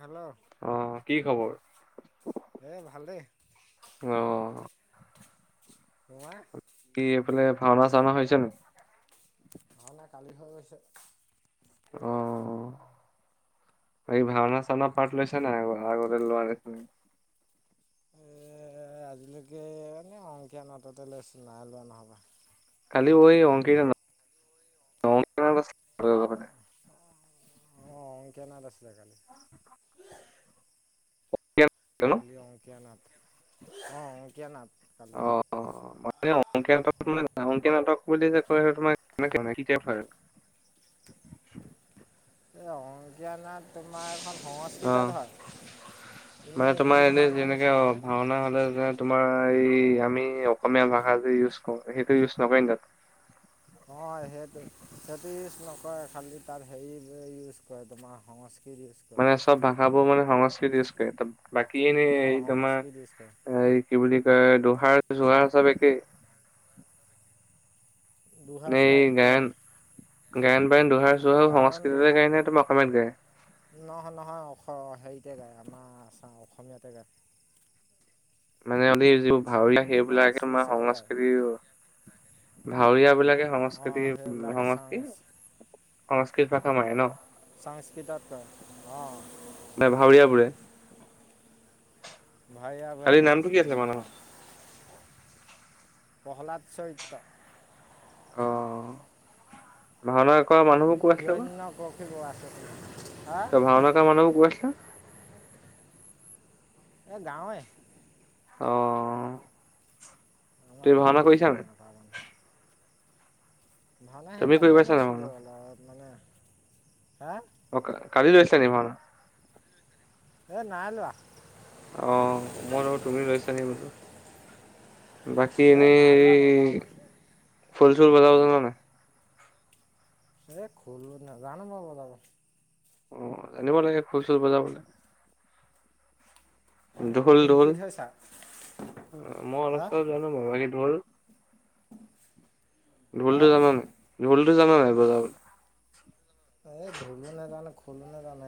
Hello. অ', কি খবৰ? এই ভালেই। অ'। তোমাৰ? কি এইফালে ভাওনা চাওনা হৈছে নে নাই? ভাওনা কালি হৈ গৈছে। অ', এই ভাওনা চাওনা এইখন পাৰ্ট লৈছে নাই আগৰ? আগতে লোৱা যে। এই, আজিলৈকে এনেই অংকীয়া নাটতে লৈছোঁ, নাই লোৱা নহ'বা। কালি [unintelligible] অ', অ', অংকীয়া নাট আছিলে কালি। কালি অংকীয়া নাট, অ' অংকীয়া নাট। কালি অ'। অ', মানে অংকীয়া নাটক, মানে অংকীয়া নাটক বুলি যে কয় [unintelligible] এই অংকীয়া নাট তোমাৰ এখন অ সংস্কৃতত হয়। মানে এনেই ইভু তোমাৰ এনে ভাওনা যেনেকে অ' নিচিনাই ভাওনা হ'লে যে তোমাৰ এই আমি অসমীয়া ভাষা যে ইউজ কৰো, সেইটো ইউজ নকৰে নেকি? অ', সেইটো, সেইটো ইউজ নকৰে খালী তাত হেৰি যে ইউজ কৰে তোমাৰ তাত, সংস্কৃত ইউজ [unintelligible] তাত ভাষাবোৰ মানে সংস্কৃত ইউজ কৰে, তাত বাকী এনে অঁ এই তোমাৰ, সংস্কৃত ইউজ কৰে এই কি বুলি কয়, দোহা জোহা ছব একেই? দুহাৰ নে চুহাৰ এই একেই গায়ন, অঁ গায়ন বায়ন দোহা চোহাও গায়ন সংস্কৃততে দুহাৰ গায় নে, তোমাৰ অসমীয়াত গায়? নহয় নহয় অ', হেৰিতে গায়, আমাৰ আছা, অসমীয়াতে গায়। মানে আমি যিবোৰ [unintelligible] আমাৰ সেইবিলাকে তোমাৰ আছমিছতে গায় সংস্কৃত ভাউৰীয়া বিলাকে অঁ সংস্কৃতি, সেইবিলাকে চাং সংস্কৃতি সংস্কৃত ভাষা মাৰে ন? সংস্কৃতত কয়, অ'। বে ভাওৰীয়া বোৰে? ভাউৰীয়া সকলে কালি সংস্কৃত নামটো কি মাৰে আছিলে অ'। মানুহৰ? [inaudible] প্ৰহ্লাদ চৰিত্ৰ অ 'ভাওনা কৰা মানুহ হিৰণ্য [unintelligible] ত ভওনা কৰা মানুহবোৰ কৰ আছিলে এ গাঁৱয়ে অ'। তুমি আমাৰ গাঁৱৰে কৰিছা নাই? ভাওনা কৰা মানুহ। ভাওনা সেই তুমি কৰি তাতে পাইছা নাই লৈছিলোঁ ভাওনা? অলপ। মানে হে অ' কা কালি লৈছিলে নি ভাওন? এই নাই লোৱা। অ মই লগত তুমিও লৈছা নি বোলো বাকী এই এনে নাই লোৱা মই হেৰি ভাওনা খোল চোল বজাব জানা নাই? এ খোলো নাজানো মই বজাব। অ' জানিব লাগে খোল চুল বজাবলে। ঢোল তুমি ঢোল? শিকি থৈছা অ মই অলপ হা চলপ জানো বাৰু বাকি ঢোল? হা ঢোলটো জান নাই? ঢোলটো জানা নাই বজাবলে? এই ঢোলো নেজানো খোলো নেজানো।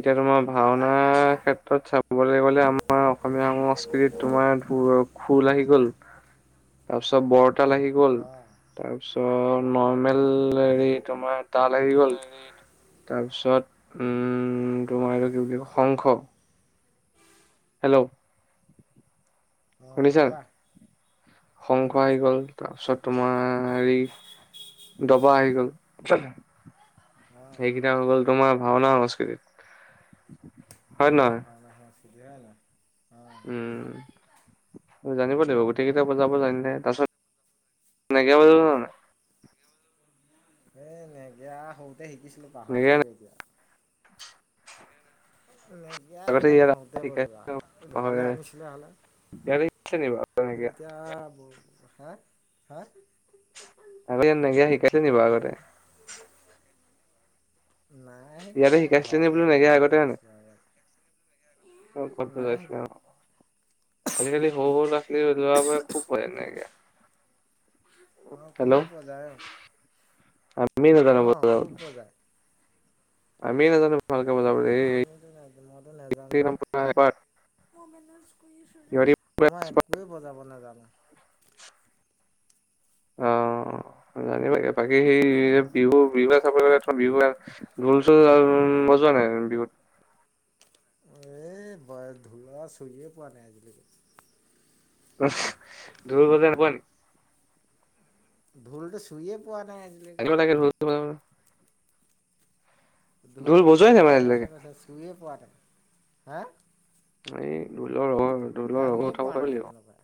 এতিয়া তোমাৰ ভাওঁনা মাৰ ক্ষেত্ৰত চাবলে গ'লে আমাৰ অসমীয়া সংস্কৃতিত তোমাৰ ধো খোল আহি গ'ল। তাৰছ বৰ তাল আহি গ'ল, অঁ তাৰপিছত নৰ্মেল হেৰি অঁ তোমাৰ তাল আহি গ'ল। [unintelligible] তাৰপিছত, উম, তোমাৰ এইটো কি বুলি কয় শংখ হেল্ল' অঁ', কোৱা। শুনি শংস আহি আছোঁ গল তাৰপিছত তোমাৰ হেৰি দবা আহি গ'ল। অ', সেইকেইটা হৈ গ'ল তোমাৰ ভাওনা সংস্কৃতিত। হয়, নে এতিয়া নহয়? ভাওনা সংস্কৃতি হয় নহয় অ উম', জানিব লাগিব গোটেই কেইটা বজাব জানিলে তাৰ পাছত নেগেৰা বজাব যান নাই এই নেগেৰা সৰুতে শিকিছিলোঁ পাহৰি নেগেৰা থাকিলো এতিয়া। নেগেৰা আগতে এটা ইয়াত হওঁতে বজোআ শিকাইছে ঘৰলে পাহৰে আনিছিলে হলে। ইয়াতে শিকাইছিলে নি বাৰু আৰু নেগেৰা? এতিয়া ব হা -হা আগতে নেগেৰা শিকাইছে নি বাউ আগতে। নাই ইয়াতে পোৱা শিকাইছিলে নি ঘৰতে বোলো এনেই নেগেৰা আগতে হয় নাই? বজাইছিলো আছিলো অ' ক'ত আৰু নাই বজাইছিলে অ'। শিকোৱা আজিকালি সৰু [unintelligible] -সৰু ল'ৰা ছোৱালীয়ে বজাব পাৰে খুব ধুনীয়াকে। অ', খুব বজাই অ', আমিএ নেজানো বজাবলে খুব বজায় আমিএ নাজানো। ভালকে বজাবলে অ', আমিয়ে টো নাজানো মইতো নেজানোৱে। এই মই একোৱে বজাব নাজানোঁ। অ'! জানিব লাগে। বাকী সেই বিহু, বিহুৱে চাবলৈ গ'লে বিহু ঢোল-চোল বজোৱা নাই বিহুত? এই ঢোলৰ চুইয়ে পোৱা নাই, আজিলৈকে। [unintelligible] ঢোল বজাই নোপোৱা নেকি? ঢোলটো চুইয়ে পোৱা নাই। আজিলৈকে আগিব লাগে, ঢোল [unintelligible] ঢোল বজোৱাই নাই বজোৱা মানে আজিলৈকে কথা কৈছা, চুইয়ে পোৱা নাই। হা! এই ঢোলৰ হৌ, ঢোলৰ হৌ দাঙিয়ে উঠাব, পোৱা পাৰিব নাই লাগিব। কেনেকুৱা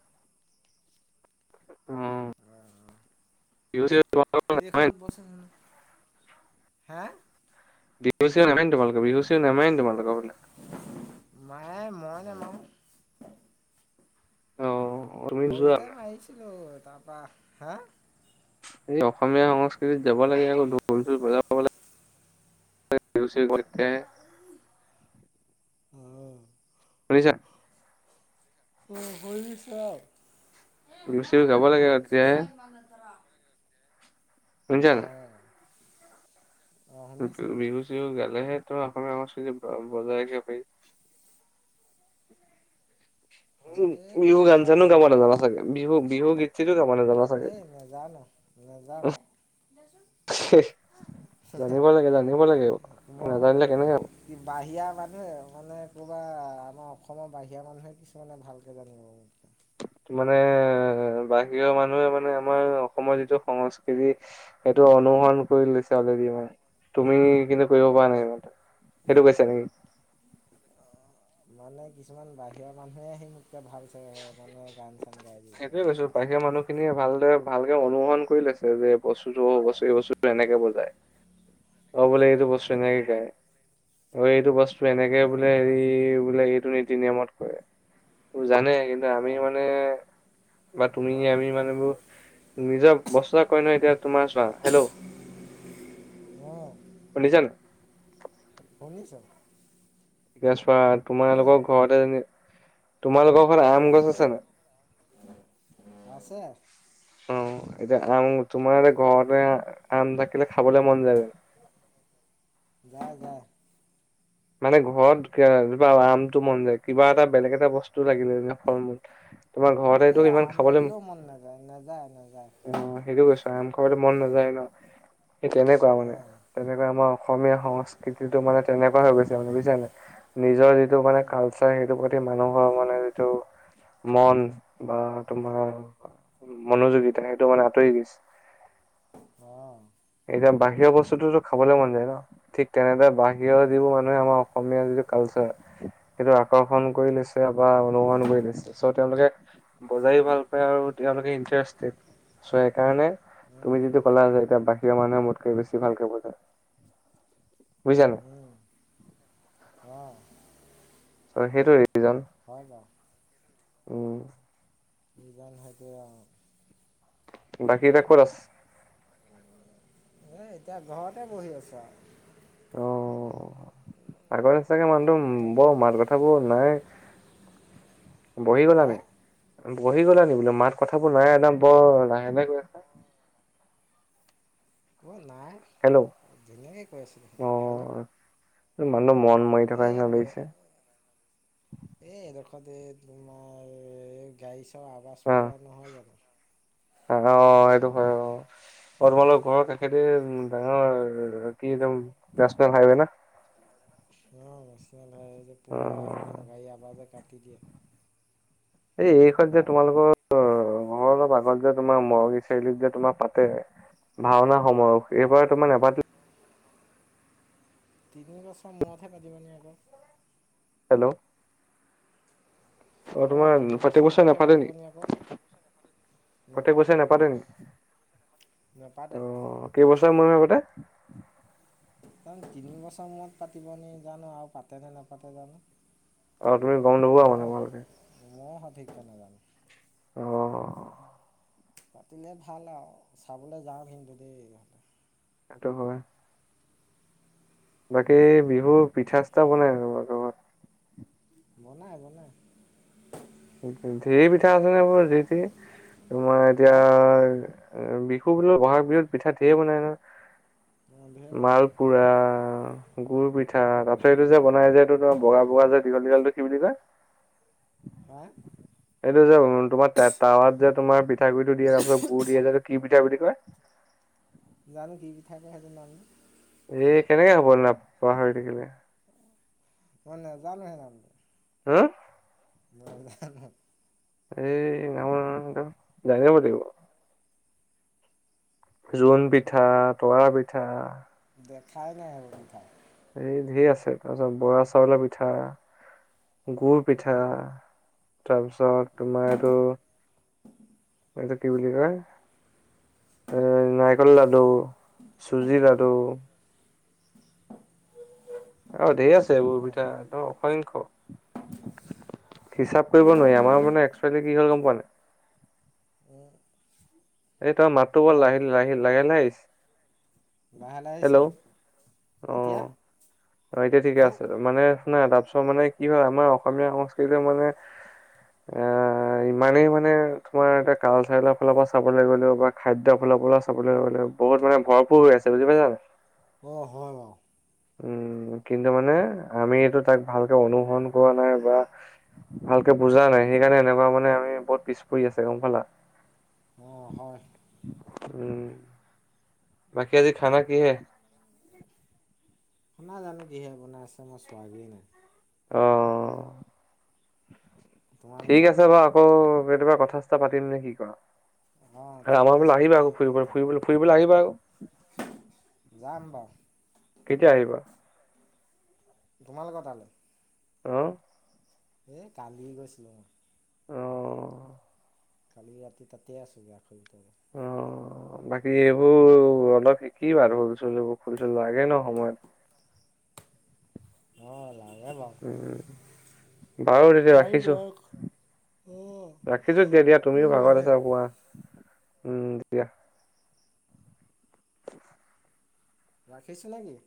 উম! অ' অ'! বিহুত-চিহুত পোৱা এইখনত বহ চোন [unintelligible] হে! বিহু-চিহু নামাৰে নি তোমালোকৰ, বিহু-চিহু নামাৰে নি তোমালোকৰ বোলে। মাৰে মই নামাৰোঁ। অ তুমি নোযোৱা সৰুতে মানে মাৰিছিলোঁ। তাৰপা, হা! এই অসমীয়া সংস্কৃতিত যাব লাগে, আকৌ? ঢোল- চোল বজাব [unintelligible] [unintelligible] [unintelligible] অ'! শুনিছা? [unintelligible] বিহু চিহু গাব লাগে আৰু তেতিয়াহে [unintelligible] শুনিছা নাই অ'! শুনিছ বিহু-চিহু গালেহে, তোৰ অসমীয়া সংস্কৃতি বজাই ৰাখিব পাৰি। [inaudible] উম, সৰুতে বিহু দিয়া গান-চানো গাব যোৱা নাজানা চাগে, বিহু-বিহু গীত-চিতো গাব নাজানা চাগে। নেজানোঁ। [unintelligible] জানিব লাগে, জানিব লাগে, মই নাজানিলে কেনেকে হ'ব? কি বাহিৰা মানুহে মানে, ক'ৰবা আমাৰ অসমৰ বাহিৰা মানুহে, কিছুমানে ভালকে জানিব। মানে, বাহিৰৰ মানুহে মানে, আমাৰ অসমৰ যিটো সংস্কৃতি সেইটো অনুসৰণ কৰি লৈছে, অলেৰেদি মানে। তুমি কিন্তু, কৰিব পৰা নাই? সেইটো কৈছে নেকি? [unintelligible] অ'! মানে, কিছুমান বাহিৰৰ মানুহে আহি, মোতকৈ ভালচে মানে, গান-চান গাই দিব, এনেকুৱা। খিনিয়ে ভালদৰে, ভালকে অনুসৰণ কৰি লৈছে যে, বস্তুটো [unintelligible] এনেকে বজায়। [unintelligible] অ'! বোলে, এইটো বস্তু এনেকে অ', গায়। অ'! এইটো বস্তু এনেকে অ', বোলে, সেৰি বোলে, এইটো নীতি-নিয়মত কৰে। তোৰ জানে, কিন্তু আমি অ', মানে, বা তুমি, আমি মানে, এইবোৰ, নিজৰ [unintelligible] কয় নহয়! এতিয়া, তোমাৰ চোৱা? হেল্ল'! [unintelligible] অ'! শুনিছানে? [unintelligible] শুনিছোঁ। [unintelligible] শুই তোমালোকৰ থাকা ঘৰতে, তোমালোকৰ ঘৰত আম গছ আছে নাই? আছে। অ', এতিয়া আম তোমাৰ ঘৰতে আম থাকিলে খাবলৈ মন যায় জানো? যায়, যায়। মানে ঘৰত এজোপা আমটো মন যায়, কিবা এটা বেলেগ এটা বস্তু লাগিলে যেনে ফল মূল তোমাৰ ঘৰতেটো এই ইমান আম খাবলে লাগিলেও মন নাযায়, নাযায়, নাযায়। অ সেইটো কৈছোঁ আম খাবলৈ মন নাযায় ন, সেই তেনেকুৱা মানে। অ'। তেনেকুৱা আমাৰ অসমীয়া সংস্কৃতিটো মানে তেনেকুৱা হৈ গৈছে মানে বুজিছা নে, নিজৰ যি যিটো মানে উম, কাল চাৰ, সেইটোৰ প্ৰতি মানুহৰ মানে যিটো মন বা তোমাৰ মনোযোগীটা সেইটো মানে আঁতৰি গৈছে। অ'। এতিয়া বাহিৰৰ বস্তুতোটো খাবলে মন যায় ন? ঠিক তেনেদৰে বাহিৰৰ অ', যিবোৰ মানুহ মানে আমাৰ অসমীয়া যিটো কালচাৰ। সেইটো আকৰ্ষণ কৰি লৈছে বা অনুকৰণ কৰি লৈছে। চ' তেওঁলোকে বজাইও ভাল পায় আৰু তেওঁলোকে ইণ্ট্ৰাষ্টটেড। চ' সেইকাৰণে তুমি উম, যিটো ক'লা যে এতিয়া বা বাহিৰা মানুহে মোতকে বেছি ভালকে বজায় বুইছানে। উম, অ'। চ' সেইটোৱে ৰিজন। হয়, বাৰু। উম। যি বা নহওঁকেই আৰু। বাকী এতিয়া ক'ত আছে? মই এতিয়া ঘৰতে বহি আছোঁ আৰু। আগতে চাগে মানুহটো ঘৰৰ ভিতৰতে বৰ মাত কথাবোৰ নাই। বহি গ'লা হে নেকি? বহি গ'লা নেকি বোলোঁ মাত কথাবোৰ নাই একদম বৰ লাহে লাহে কৈ আছা? অ' নাই, হেল্ল' ধুনীয়াকে কৈ আছিলোঁ দেখোন হেল্ল'? মানুহটোৰ মন মৰি থকা এই নিচিনা ইয়াত গে লাগিছে এই এডোখৰতে এই তোমাৰ গাড়ী আৱাজ পুৰা নহয় জানোঁ। আৰু অ' এইটো হয় অ'। অ' তোমালোক ঘৰৰ কাষেদি ডাঙৰ নেচনেল হাইৱে না? অ', নেচনেল হাইৱে যে পুৰা একদম অ'। গাড়ী আৱাজে কাটি দিয়ে। এই এইখন যে তোমালোকৰ ঘৰৰ অলপ আগত যে তোমাৰ মৰঙী চাৰিআলিত যে তোমাৰ পাতে ভাওনা সমাৰোহ, এইবাৰ তোমাৰ নাপাতি তিনি বছৰ মূৰতহে পাতিব নি আকৌ। হেল্ল'? অ' হ'লেও তোমাৰ তিনি প্ৰত্যেক বছৰ বছৰে মূৰতহে নাপাতে পাতিব নি আকৌ নেকি? প্ৰত্যেক বছৰে নেপাতে নাপাতে নেকি? নেপাতে অ' কেইবছৰ মূৰে মুৰে পাতে? ৰন তিনি বছৰ মূৰত পাতিব নি জানো আৰু পাতে নে নাপাতে জানো? আৰু তুমি গ'ম নোপোৱা মানে ভালকে? মও সঠিক কৈ নাজানো। অ'। পাতিলে ভাল আৰু, চাবলৈ যাম কিন্তু যাওঁ দেই। সেইটো হয়। বাকী বিহুৰ পিঠা চিঠা বনালে নে নাই আকৌ? বনাই, বনাই। ঢেৰি পিঠা আছে নহয় এইবোৰ যি টি, তোমাৰ হা এতিয়া বিহু বোলো বহাগ বিহুত পিঠা ঢেৰ বনাই নহয়, বন্ধুহে বনাই মাল পোৰা গুুৰ পিঠা তাৰ পাছত এইটো যে বনাই যে এইটো তোমাৰ বগা বগা যে দীঘল দীঘলটো কি বুলি কয়? হা'? এইটো যে উ তোমাৰ তাৱাত যে তোমাৰ পিঠাগুড়িটো দিয়ে তাৰ পিছত গুৰ দিয়ে যে এই কি পিঠা বুলি কয়? জানো কি পিঠা কয় সেইটো নামটো? এই কেনেকে হ'ব নাম পাহৰি থাকিলে? মই নাই জানো সেই নামটো? হুম? মই নাজানো? এই নাম নাজানিলে নহ'ব নহয় জানিব লাগিব। জোন পিঠা, তৰা পিঠা দেখাই নাই সেই বোৰ পিঠা? এই ঢেৰ আছে, তাৰপিছত বৰা চাউলৰ পিঠা। গুৰ পিঠা, তাৰপিছত তোমাৰ এইটো এইটোক কি বুলি কয়? এ নাৰিকল লাডু, চুজি লাডু। অ' ঢেৰ আছে এইবোৰ উম পিঠা ন অসংখ্য। হিচাপ কৰিব নোৱাৰি, আমাৰ মানে এক্সোৱেলি কি হ'ল গ'ম পোৱানে নাই? উম। এই তোমাৰ মাতটো বৰ কোৱা লাহি লাহে লাহে আহিছে? লাহে লাহে আহিছে হেল্ল' নি এতিয়া অ' এতিয়া ঠিকে হা আছে এতিয়া মানে নাই তাৰপিছত মানে কি হয় আমাৰ অসমীয়া সংস্কৃতি মানে [unintelligible] এ ইমানেই মানে তোমাৰ এ কালচাৰেলৰ ফালৰ পৰা চাব লাগে'ও বা খাদ্যৰ ফালৰ পৰা চাবলৈ গলেওঁ বহুত মানে ভৰপূৰ হৈ আছে বুজি পাইছা নে নাই? অঁ হয় বাৰু। উম, কিন্তু মানে আমি এইটো তাক ভালকে অনুসৰণ কৰা নাই বা ভালকে বুজা নাই সেইকাৰণে এনেকুৱা মানে আমি বহুত পিছ পৰি আছে গ'ম পালা? অঁ হয়। উম। বাকী আজি খানা কি হে? শুনা জানো কিহে বনাই আছোঁ মই চোৱা গেই নাই। অঁ। ঠিক তোমালোকৰ আছে বাৰু আকৌ কেতিয়াবা কথা চতা পাতিম নে কি কোৱা? অঁ ঠিক আমাৰ ফালে আছে আহিবা একে আকৌ ফুৰিবলৈ ফুৰিবলৈ ফুৰিবলৈ আহিবা আকৌ। যাম বাৰু। কেতিয়া আহিবা? তোমালোকৰ তালৈ? অ। এই কালি গৈছিলোঁ মই অ কালি ৰাতি তাতে আছিলোঁ [unintelligible] অ বাকী এইবোৰ অলপ শিকিবা হ'ল বোৰ খুল চুল লাগে ন সময়ত অ লা উম বাৰু তেতিয়া কালি ৰাখিছোঁ তোমালোক অঁ ৰাখিছোঁ দিয়া দিয়া তুমিও ঠিক ভাগৰত আছে আছা শুৱা উম দিয়া ৰাখিছ নেকি